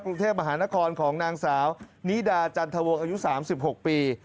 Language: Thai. กรุงเทพมหานครของนางสาวนิดาจันทวงอายุ๓๖ปี